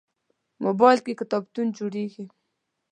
موبایل کې کتابتون جوړېږي.